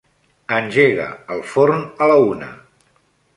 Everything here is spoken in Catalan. Engega el forn a la una.